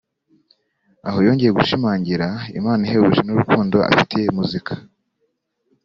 aho yongeye gushimangira impano ihebuje n’urukundo afitiye muzika